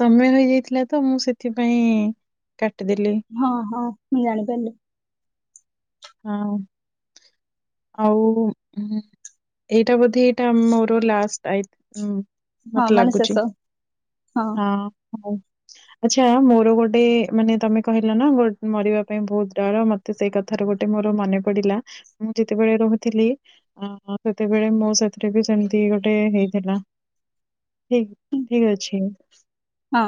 ସମୟ ହେଇଯାଇଥିଲା ତ ମୁଁ ସେଥିପାଇଁ କାଟ୍ ହଁ ହଁ ମୁଁ ଜାଣି ପାରିଲି। ହଁ ଆଉ ଏଇଟା ବୋଧେ ଏଇଟା ମୋର ଲାଷ୍ଟ୍ ହଁ ମତେ ମାନେ ଲାଗୁଛି ଶେଷ ହଁ ହଁ। ଆଚ୍ଛା ମୋର ଗୋଟେ ମାନେ ତମେ କହିଲା ନା ଗୋ ମରିବା ପାଇଁ ବହୁତ ଡର ମତେ ସେଇ କଥାରୁ ଗୋଟେ ଗ ମୋର ମନେ ପଡିଲା ମୁଁ ଯେତେବେଳେ ରହୁଥିଲି ସେତେବେଳେ ମୋ ସାଥିରେ ବି ସେମିତି ଗୋଟେ ହେଇଥିଲା ଠିକ୍ ଅଛି? ହଁ।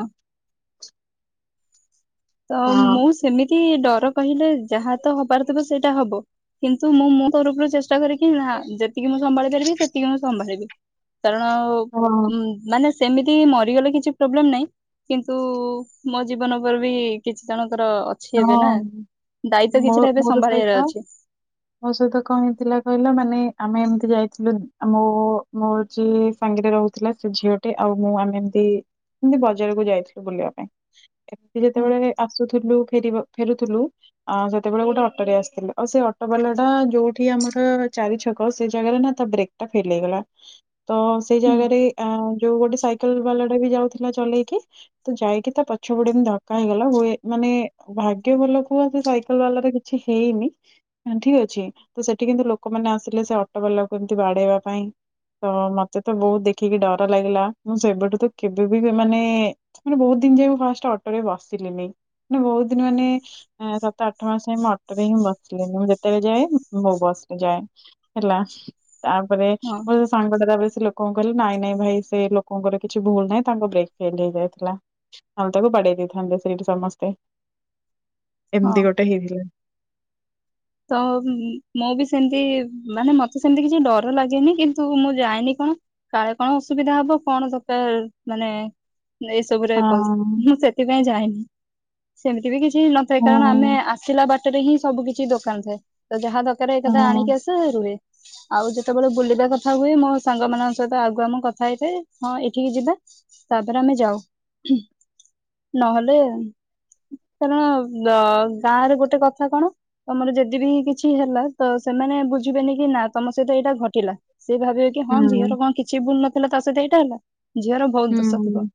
ତ ହଁ। ମୁଁ ସେମିତି ଡର କହିଲେ ଯାହା ତ ହବାର ଥିବ ସେଇଟା ହବ କିନ୍ତୁ ମୁଁ ମୁଁ ତରଫରୁ ଚେଷ୍ଟା କରିକି ନା ଯେତିକି ମୁଁ ସମ୍ଭାଳି ପାରିବି ସେତିକି ମୁଁ ସମ୍ଭାଳିବି। କାରଣ ହଁ ମାନେ ସେମିତି ମରିଗଲେ କିଛି ପ୍ରୋବ୍ଲେମ୍ ନାହିଁ କିନ୍ତୁ ମୋ ଜୀବନ ଉପରେ ବି କିଛି ଜଣ ହଁ ମୋ କିଛିଟା ଏବେ ମୋର ସମ୍ଭାଳିବାର ସହିତ ଅଛି ମୋ ସହିତ କଣ ହେଇଥିଲା କହିଲ ମାନେ ଆମେ ଏମିତି ଯାଇଥିଲୁ ମୋ ମୋ ଯିଏ ସାଙ୍ଗରେ ରହୁଥିଲା ସେ ଝିଅଟେ ଆଉ ମୁଁ ଆମେ ଏମିତି ଏମିତି ବଜାରକୁ ଯାଇଥିଲୁ ବୁଲିବା ପାଇଁ ଏମତି ହଁ ଯେତେବେଳେ ଆସୁଥିଲୁ ଫେ ଫେରୁଥିଲୁ ଆ ସେତେବେଳେ ଗୋଟେ ଅଟୋ ରେ ଆସିଥିଲୁ ଆଉ ସେ ଅଟୋ ବାଲା ଟା ଯୋଉଠି ଆମର ଚାରି ଛକ ସେ ଜାଗାରେ ନା ତା ବ୍ରେକ୍ ଟା ଫେଲ ହେଇଗଲା ତ ସେଇ ହୁଁ ଜାଗାରେ ଯୋଉ ଗୋଟେ ସାଇକେଲ ବାଲା ବି ଯାଉଥିଲା ଚଲେଇକି ତ ଯାଇକି ତା ପଛ ପଟେ ଏମିତି ଧକ୍କା ହେଇଗଲା ହୁଏ ମାନେ ଭାଗ୍ୟ ଭଲ କୁହ ସେ ସାଇକେଲ ବାଲାର କିଛି ହେଇନି ଠିକ୍ ଅଛି ତ ସେଠି କିନ୍ତୁ ଲୋକମାନେ ଆସିଲେ ସେ ଅଟୋବାଲାକୁ ଏମିତି ବାଡ଼େଇବା ପାଇଁ ତ ମତେ ତ ବହୁତ୍ ଦେଖିକି ଡର ଲାଗିଲା। ମୁଁ ସେବେଠୁ ତ କେବେ ବି ମାନେ ବହୁତ୍ ଦିନ ଯାଏ ମୁଁ ଫାଷ୍ଟ ଅଟୋରେ ବସିଲିନି ମାନେ ବହୁତ ମାନେ ସାତ ଆଠ ମାସ ପାଇଁ ମୁଁ ଅଟୋରେ ହିଁ ବସିଲନି ମୁଁ ଯେତେବେଳେ ଯାଏ ମୋ ବସ୍ ରେ ଯାଏ ହେଲା। ତାପରେ ହଁ ମୋ ସାଙ୍ଗଟା ଲୋକଙ୍କୁ କହିଲେ ନାଇଁ ନାଇଁ ଭାଇ ସେ ଲୋକଙ୍କର କିଛି ଭୁଲ ନାହିଁ ତାଙ୍କ ବ୍ରେକ୍ ଫେଲ ହେଇଯାଇଥିଲା। ନହେଲେ ତାକୁ ବାଡେ଼ଇ ଦେଇଥାନ୍ତେ ସେଇଠି ସମସ୍ତେ। ହଁ। ଏମିତି ଗୋଟେ ହେଇଥିଲା। ତ ମୁଁ ବି ସେମିତି ମାନେ ମତେ ସେମତି କିଛି ଡର ଲାଗେନି କିନ୍ତୁ ମୁଁ ଯାଏନି କଣ କାଳେ କଣ ଅସୁବିଧା ହବ କଣ ଦରକାର ମାନେ ଏଇ ସବୁରେ ହଁ ପସ୍ ମୁଁ ସେଥିପାଇଁ ଜାଏନି। ସେମିତି ବି କିଛି ନଥାଏ ହଁ କାରଣ ଆମେ ଆସିଲା ବାଟ ରେ ହିଁ ସବୁ କିଛି ଦୋ ଦୋକାନ ଥାଏ ତ ଯାହା ଦ କାରେ ଏଇଟା ତ ହଁ। ଆଣିକି ଆସେ ରୁହେ। ଆଉ ଯେତେବେଳେ ବୁଲିବା କଥା ହୁଏ ମୋ ସାଙ୍ଗ ମାନଙ୍କ ସହିତ ଆଗୁଆ ଆମ କଥା ହେଇଥାଏ ହଁ ଏଠିକି ଯିବା ତାପରେ ଆମେ ଯାଉ ନହେଲେ କାରଣ ଗାଁରେ ଗୋଟେ କଥା କଣ। ତମର ଯଦି ବିି କିଛି ହେଲା ତ ସେମାନେ ବୁଝିବେନି କି ନା ତମ ସହିତ ଏଇଟା ଘଟିଲା। ସେ ଭାବିବେ କି ହଁ ହୁଁ, ଝିଅର କଣ କିଛି ଭୁଲ ନଥିଲା ତା ସହିତ ଏ [unintelligible] ଝିଅର ବହୁତ ଦୋଷ ଥିବ ହୁଁ,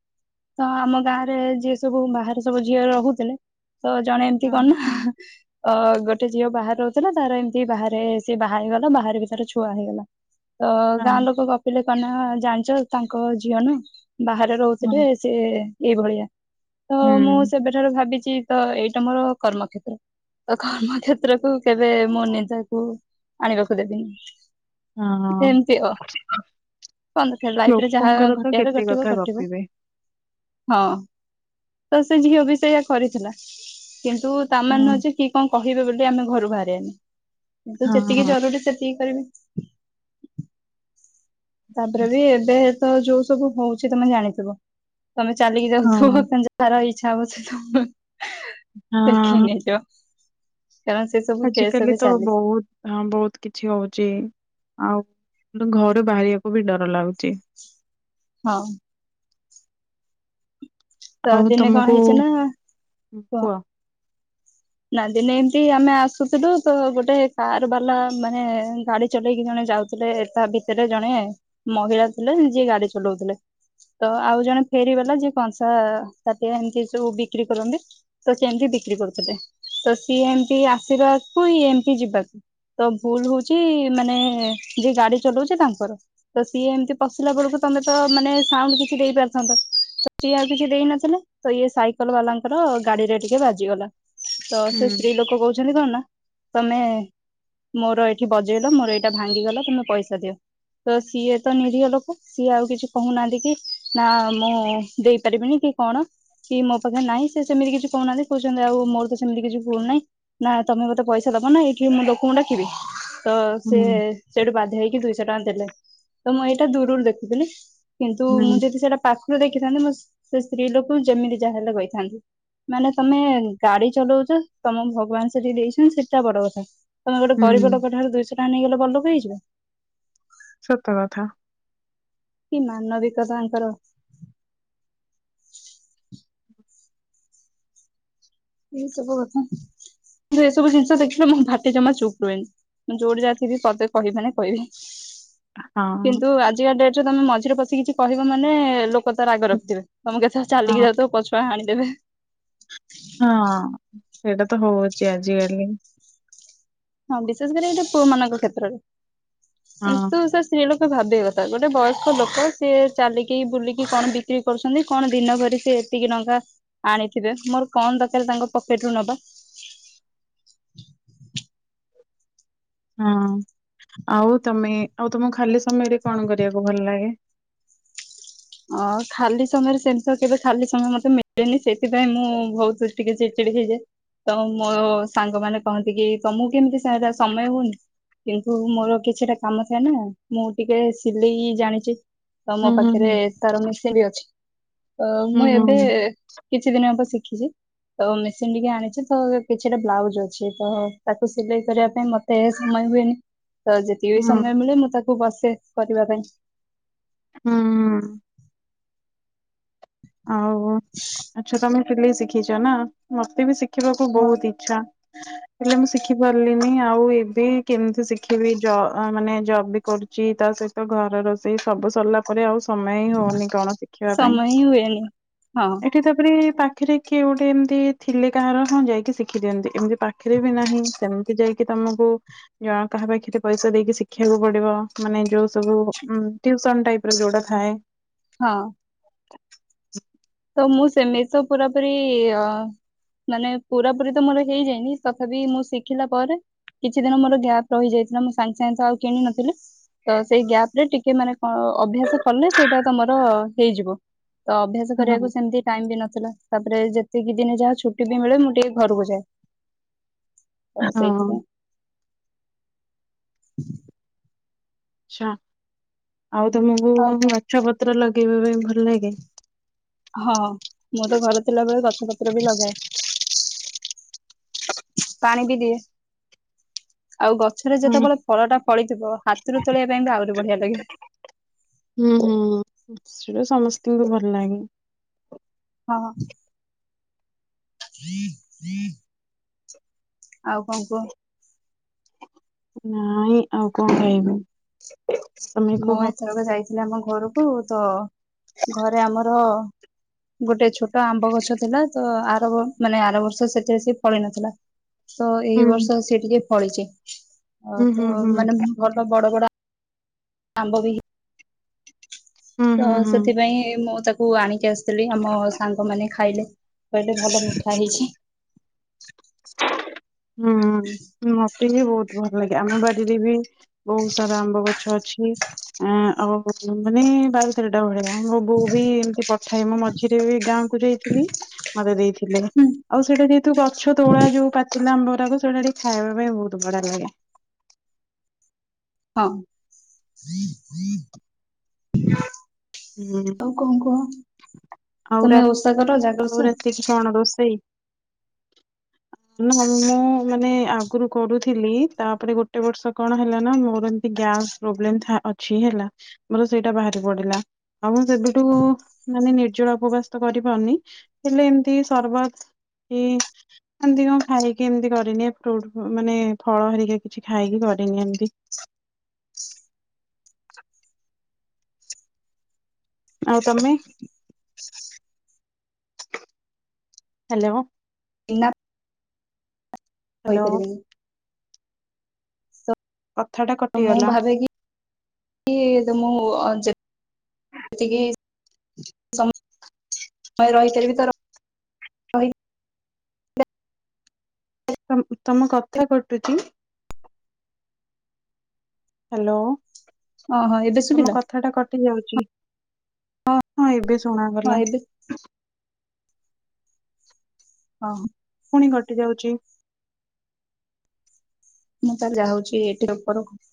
ତ ଆମ ଗାଁରେ ଯିଏ ସବୁ ବାହାରେ ସବୁ ଝିଅ ରହୁଥିଲେ। ତ ଜଣେ ଏମତି ହଁ କଣ ନା ଅ ଗୋଟେ ଝିଅ ବାହାରେ ରହୁଥିଲା ତାର ଏମିତି ବାହାରେ ସେ ବାହା ହେଇଗଲା ବାହାରେ ବି ତାର ଛୁଆ ହେଇଗଲା। ତ ଗାଁ ହଁ ଲୋକ ଗପିଲେ କଣ ନା ଜାଣିଛ। ତାଙ୍କ ଝିଅ ନ। ବାହାରେ ହଁ ରହୁଥିଲେ ସିଏ ଏଇଭଳିଆ। ତ ମୁଁ ହୁଁ। ସେବେଠାରୁ ଭାବିଛି ଚି ତ ଏଇଟା ମୋର କର୍ମକ୍ଷେତ୍ର ତ କର୍ମକ୍ଷେ କ୍ଷେତ୍ରକୁ କେବେ ମୋ ନିଦାକୁ ଆଣିବାକୁ ଦେବିନି। ହଁ ଏମତି ଅ କଣ ଦରକାର ଲାଇଫରେ ଯାହା ଲୋକଙ୍କର ତ ଘଟିବାର କେତେ ଘଟିବ କଥା ଘଟିବ ଗପିବେ। ହଁ। ତ ସେ ଝିଅ ବି ସେୟା କରିଥିଲା। କିନ୍ତୁ ତାମାନେ ହଁ ନୁହ ଯେ କି କଣ କହ ବେ ବୋ [unintelligible] ଆମେ ଘରୁ ବାହାରି ଆନି। ମୁଁ ତ ଯେତିକି ହଁ। ଜରୁରୀ ସେତିକି କରିବି। ତାପରେ ବିି ଏବେ ତ ଯୋଉ ସବୁ ହଉଛି ତମେ ଜାଣିଥିବ। ତମେ ଚାଲିକି ହଁ ଯାଉଥିବ କ ଯାହାର ଇ। ଇଛା ହବ ସେ ତମ। ହଁ ଟେକିନେଇ ଯିବ। ଆଜିକାଲି ତ ବହୁତ ହଁ ବହୁତ କିଛି ହଉଛି ଆଉ। ଘରୁ ବାହାରିବାକୁ ବି ଡର ଲାଗୁ ହଁ। ତ ଆଉ ଦିନେ କଣ ତମକୁ ହେଇଛି ନା କହ। କୁହ। ନା, ଦିନେ ଏମ୍ ତି ଆମେ ଆସୁଥୁଲୁ, ତ ଗୋଟେ କାର ବାଲା, ମାନେ ଗାଡି ଚଲେଇକି ଜଣେ ଯାଉଥିଲେ ।ତା ଭିତରେ ଜଣେ ମହିଳା ଥିଲେ, ଯିଏ ଗାଡି ଚଲଉଥିଲେ। ତ ଆଉ ଜଣେ ଫେରିବାଲା ଯିଏ କଣ ତା ତାତିଆ ଆନ କି ଏସବୁ ସବୁ ବିକ୍ରି କରନ୍ତି, ତ ସେମିତି ବିକ୍ରି କରୁଥିଲେ। ତ ସିଏ ଏମତି ଆସିବାକୁ, ଇ ଏମତି ଯିବାକୁ ତ ଭୁଲ ହଉଛି। ମାନେ ଯିଏ ଗାଡି ଚଲାଉଛି, ତାଙ୍କର ତ ସିଏ ଏମ୍ ତି ପଶିଲା ବେଳକୁ ତମେ ତ ମାନେ ସାଉଣ୍ଡ କିଛି ଦେଇ ପାରିଥାନ୍ତ। ସିଏ ଆଉ କିଛି ଦେଇ ନଥିଲେ, ତ ଇଏ ସାଇକଲ ବାଲାଙ୍କର ଗାଡି ରେ ଟିକେ ବାଜିଗଲା। ତ ସେ ହୁଁ ସ୍ତ୍ରୀ ଲୋକ କଉ ଚୁଲି କଣ ନା, ତମେ ମୋର ଏଇଠି ବଜେଇଲ, ମୋର ଏଇଟା ଭାଙ୍ଗିଗଲା ତମେ ପଇସା ଦିଅ ।ତ ସିଏ ତ ନିରିହ ଲୋକ, ସିଏ ଆଉ କିଛି କହୁନାହାନ୍ତି କି ନା, ମୁଁ ଦେଇପାରିବିନି କି କଣ, କି ମୋ ପାଖେ ନାହିଁ। ସେ ସେମିତି କିଛି କହୁନାହାନ୍ତି କହୁଛନ୍ତି, ଆଉ ମୋର ତ ସେମିତି କିଛି ଭୁଲ ନାହିଁ ।ନା ତମେ ମୋତେ ପଇସା ଦବ ନା ଏଇ କି ମୁଁ ଲୋକଙ୍କୁ ଡାକିବି। ତ ହୁଁ ସିଏ ସେଠୁ ବାଧ୍ୟ ହେଇକି, ଦୁଇଶହ ଟଙ୍କା ଦେଲେ। ତ ମୁଁ ଏଇଟା ଦୂରରୁ ଦେଖିଥିଲି। କିନ୍ତୁ ମୁଁ ହୁଁ। ଯଦି ସେଇଟା ପା ଦେଖିଥାନ୍ତି ସେ ସ୍ତ୍ରୀ ଲୋକ ଯେମିତି ଯାହାହେଲେ କହିଥାନ୍ତି। ମାନେ, ତମେ ଗାଡି ଚଲଉଚ ତମକୁ ଭଗବାନ ସେଠି ଦେଇଛନ୍ତି। ସେଟା ବଡ କଥା । ତମେ ଗୋଟେ ହୁଁ ଗରିବ ଲୋକ ଠାରୁ ଦୁଇଶ ଟଙ୍କା ନେଇଗଲ। ବଡ୍ ଲୋକ ହେଇଯିବ । ସତ କଥା । କି ମାନବିକତା ଆଙ୍କର । ଏଇ ସବୁ କଥା, ଏସବୁ ଜିନିଷ ଦେଖିଲେ ମୋ ଭାଟି ଜମା ଚୁପ୍ ରୁଏନି। ମୁଁ ଯୋଉଟି ଯାହା ଥିବି, ପଦେ କହିବି ମାନେ କହିବି। ହଁ। କିନ୍ତୁ ଆଜିକା ଡେଟ୍ ରେ ତମେ ମଜ ରେ ପଶି କିଛି କହିବ ମାନେ କ ତା ରାଗ ରଖଥିବେ ତମେ କେତେଳେ ଚାଲିକି ଯାଉଛ ପଛୁଆ ଆନି ଦେବେ ହଁ। ହଁ ଅଁ । ସେଇଟା ତ ହଉଚି ଆଜିଆଲି । ହଁ ବିଶେଷ କରି ଏଇଟା ପୁଅ ମାନଙ୍କ କ୍ଷେତ୍ରରେ। ହଁ। ତୁ ସେ ସିଲୁ ଭାବିବା କଥା ଗୋଟେ ବୟସ୍କ ଲୋକ ସିଏ ଚାଲିକି ବୁଲିକି କଣ ବିକ୍ରି କରୁଛନ୍ତି କଣ ଦିନ ଭରି ସେି ଏତିକି ନଙ୍କା ଆଣିଥିବେ ମୋର କଣ ଦରକାର ତାଙ୍କ ପକେଟ ରୁ ନବା। ହଁ ଆଉ ତମେ ଆଉ ତୁମକୁ ଖାଲି। ସମୟରେ କଣ କରିବାକୁ ଭଲ ଲାଗେ। ହଁ ଖାଲି ସମୟରେ ସେମ୍ ତ କେବେ ଖାଲି ସମୟ ମତେ ମିଳେନି ସେଥିପାଇଁ ମୁଁ ବହୁତ ଟିକେ ଚିଚିଡି ହେଇଯେ ତ ମୋ ସାଙ୍ଗ ମାନ କହନ୍ତି କି ତମକୁ କେମିତି ସାରେ ସମୟ ହଉନି କିନ୍ତୁ ମୋର କିଛିଟା କାମ ଥାଏ ନା ମୁଁ ଟିକେ ସିଲେଇ ଜାଣିଚି। ତ ହୁଁ ମୋ ହୁଁ ପାଖରେ। ହୁଁ ତାର ମିଶି ବି ଅଛି। ଅ ମୁଁ ହୁଁ ଏବେ କିଛି ଦିନ ହେବ ଶି ଜି ତ ମେସିନ ଟିକେ ଆଣିଛି ତ କିଛିଟା ବ୍ଲାଉଜ ଅଛି ତ ତାକୁ ସିଲେଇ କରିବା ପାଇଁ ମତେ ସମୟ ହୁଏନି । ତ ଯେତିକି ବି ହୁଁ। ସମୟ ମିଳେ ମୁଁ ତାକୁ ବସେ କରିବା ପାଇଁ। ହୁଁ ହୁଁ। ଆଉ ଆଚ୍ଛା ତମେ। ହେଲେ ଶିଖିଛ ନା ମତେ ବି ଶି ଦେଖିବାକୁ ହଁ ବହୁତ ଇଚ୍ଛା। ହେଲେ ମୁଁ ଶିଖି ପାରିଲିନି ଆଉ ଏବେ କେମିତି ଶିଖିବି ମାନେ ଜବ୍ ବି କରୁଛି ତା ସହିତ ଘର ରୋଷେଇ ସବୁ ସରିଲା ପରେ ଆଉ। ସମୟ ହଉନି କଣ ଶିଖିବା ପାଇଁ। [unintelligible] ହଁ। ଏଠି ତାପରେ ପାଖରେ କିଏ ଗୋଟେ ଏମିତି ଥିଲେ କାହାର ହଁ ଯାଇକି ଶିଖି ଦିଅନ୍ତି ଏମିତି। ପାଖିରେ ବି ନାହିଁ ସେମ। ଯାଇକି ତମକୁ ଜଣ କାହା ପାଖରେ ପଇସା ଦେଇକି ଶିଖିବାକୁ ପଡିବ ମାନେ ଯୋଉ ସବୁ ଟିଉସନ୍ ଟାଇପ୍ ର ଯୋଉଟା ଥାଏ। ହଁ। [inaudible] ତ ମୁଁ ସେ ମେଷ ପୁରାପୁରି ମାନେ ପୁରାପୁରି ତ ମୋର ହେଇଯାଇନି ତଥାପି ମୁଁ ଶିଖିଲା ପରେ କିଛି ଦିନ ମୋର ଗ୍ୟାପ ରହିଯାଇଥିଲା ମୁଁ ସାଙ୍ଗ ସାଙ୍ଗ ଆଉ କିଣ ନଥିଲି ତ ସେଇ ଗ୍ୟାପ ରେ ଟିକେ ମାନେଣ ଅଭ୍ୟାସ କଲେ ସେଇଟା ତ ମୋର ହେଇଯିବ ତ ଅଭ୍ୟାସ। ହଁ କରିବାକୁ ହଁ। ସେମିତି ଟାଇମ୍ ବି ନଥିଲା। ତାପରେ ଯେତିକି ଦିନେ ଯାହା ଛୁଟି ବି ମିଳେ ମୁଁ ଟିକେ ଘରକୁ ଯାଏ। ତ ହଁ ସେଇଥିପାଇ। [inaudible] ଆଛା। ଆଉ ତମକୁ ଆଉ କଣ ଗଛ ପତ୍ର ଲଗ। ପକେଇବା ପାଇଁ ଭଲ ଲାଗେ। ହଁ ମୁଁ ତ ଘରେ ଥିଲାବେେଳେ ଗଛ ପତ୍ର ବି ଲଗାଏ। ପାଣି ବି ଦିଏ। ଆଉ ଗଛରେ ହୁଁ। ଯେତେବେଳେ ଫଳ ଟା ଫଳିଥିବ ହାତରୁ ତୋଳିବା ପାଇଁ ବି ଆହୁରି ବଢିଆ ଲାଗେ। ମୁଁ ଭଲ ଲାଗେ। ହଁ। [inaudible] ଆଉ କଣ କୁହ। ନାଇଁ। ଆଉ କଣ କହିବି। ମୁଁ ଏଥରକ ଯାଇଥିଲି ଆମ ଘରକୁ ତ ଘରେ ଆମର ହ ଗୋଟେ ଛୋଟ ଆମ୍ବ ଗଛ ଥିଲା ତ ମାନେ ଆର ବର୍ଷ ସେଥିରେ ସେ ଫଳ ନଥିଲା। ତ ହୁଁ ଏଇ ବର୍ଷ ସେ ଟିକେ ଫଳିଛି। ଆ ହୁଁ ହୁଁ ତ ହୁଁ। ମାନେ ଘରର ବଡ ବଡ। ଆମ୍ବ ବିହ ହୁଁ ତ ହୁଁ ହୁଁ। ସେଥିପାଇଁ ମୁଁ ତାକୁ ହଉ ଆଣିି ଆ ଆମ ସାଙ୍ଗମାନୋନ ଖାଇଲେ। [inaudible] କହିଲେ ଭଲ ମିଠା ହେଇଛି। [inaudible] ହୁଁ ହଁ। ମ ତେ ବି ବହୁତ ଭଲ ଲାଗେ ଆମବାଡ଼ିରେ ବି ବହୁତ ସାରା ଆମ୍ବ ଗ ଗଛ ଅଛି ଆ ଆଉ ମାନେ ବାର ତେରଟା ଭଳିିଆ। ମୋ ବୋଉ ବି ଏମିତି ପଥାଏ ମୋ ମଝିରେ ବି ଗାଁକୁୁ ଯାଇଥିଲି ମତେ ଦେଇଥିଲେ ହୁଁ ଆଉ ସେଇଟା ଯେହେତୁ ଗଛ ତୋଳା ଯଉ ପାଚ ଆମ୍ବରାକୁ ସେଟା ଟ ଖାଇବା ପାଇଁ ବହୁତ ବଢିଆ ଲାଗେ। ହଁ। ହୁଁ ଆଉ କଣ କୁହ ଆଉ ରା ତମେ ଓଷା କର ଜାଗରଷ। ସେ ମୁଁ ମାନେ ଆଗରୁ କରୁଥିଲି ତାପରେ ଗୋଟେ ବର୍ଷ କଣ ହେଲା ନା ମୋର ଏମତି ଗ୍ୟାସ୍ ପ୍ରୋବ୍ଲେ ଅଛି ହେଲା ମୋର ସେଇଟା ବାହାରି ପଡିଲା। ଆଉ ମୁଁ ସେବଠୁ ମାନେ ନିର୍ଜଳା ଉପବାସ ତ କରିପାରୁନି ହେଲେ ଏମିତି ସର୍ବତ କି ଏମିତି କଣ ଖାଇକି ଏମତି କରିନି ଫ୍ରୁଟ ମାନେ ଫଳ ହେରିକି କିଛି ଖାଇକି କରିନି ଏମତି। ଆଉ ତମେ? ହ୍ୟାଲୋ। ନା। ହ୍ୟାଲୋ ହାଇପାରିବ। କଥା ଟା କଟିଗଲା ତ ମୁଁ ଅତିକି ହୁଁ। ମୁଁ ରହିପାରିବି ତ ର ତମ କଥା କଟୁଛି। ହାଲୋ। ଓହୋ ଏବେ ସୁବିଲା ହ। ହଁ ଏବେ ହଁ ଶୁଣାଗଲା ଏବେ ହଁ। ପୁଣି କଟି ଯାଉଛି। ମୁଁ ତା ଯାଉଛି ଏଠି ଉପରକୁ